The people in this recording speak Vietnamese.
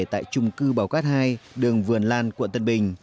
tại trung cư bào cát hai đường vườn lan quận tân bình